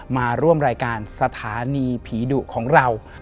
มาร่วมรายการสถานีผีดุของเรา